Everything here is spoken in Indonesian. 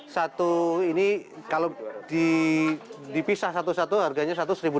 satu ini kalau dipisah satu satu harganya satu satu ratus